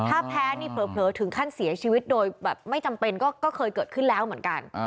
ถ้าแพ้นี่เผลอถึงขั้นเสียชีวิตโดยแบบไม่จำเป็นก็เคยเกิดขึ้นแล้วเหมือนกัน